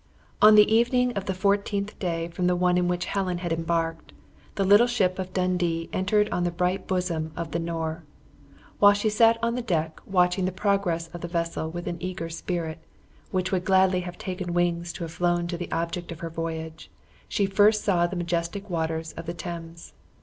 On the evening of the fourteenth day from the one in which Helen had embarked, the little ship of Dundee entered on the bright bosom of the Nore. While she sat on the deck watching the progress of the vessel with an eager spirit, which would gladly have taken wings to have flown to the object of her voyage, she first saw the majestic waters of the Thames.